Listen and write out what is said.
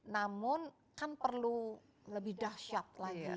namun kan perlu lebih dahsyat lagi